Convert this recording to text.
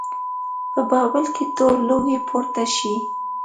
په بابل کې تور لوګی پورته شي.